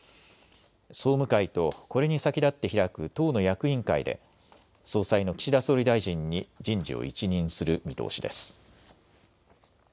総務会とこれに先立って開く党の役員会で総裁の岸田総理大臣に人事を一任する見通しです。